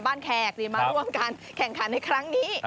แขกมาร่วมการแข่งขันในครั้งนี้